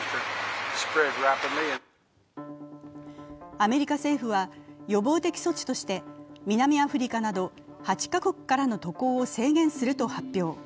アメリカ政府は予防的措置として南アフリカなど８カ国からの渡航を制限すると発表。